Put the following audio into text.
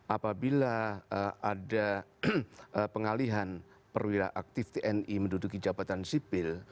apabila ada pengalihan perwira aktif tni menduduki jabatan sipil